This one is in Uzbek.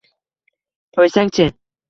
Qo‘ysang-chi.